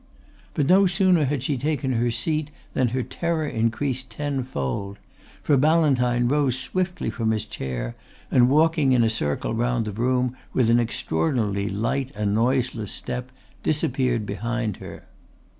But no sooner had she taken her seat than her terror increased tenfold, for Ballantyne rose swiftly from his chair and walking in a circle round the room with an extraordinarily light and noiseless step disappeared behind her.